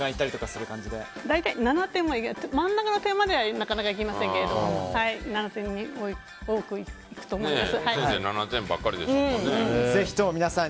大体真ん中の点まではなかなかいきませんけど７点には多くいくと思います。